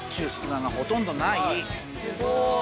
すごい。